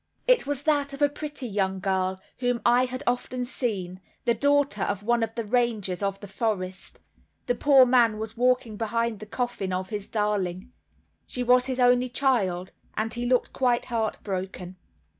It was that of a pretty young girl, whom I had often seen, the daughter of one of the rangers of the forest. The poor man was walking behind the coffin of his darling; she was his only child, and he looked quite heartbroken.